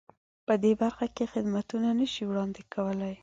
په دې برخه کې خدمتونه نه شي وړاندې کولای.